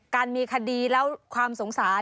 การมีคดีแล้วความสงสาร